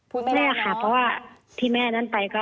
แม่ค่ะเพราะว่าที่แม่นั้นไปก็